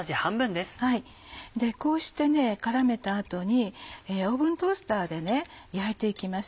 こうして絡めた後にオーブントースターで焼いて行きます。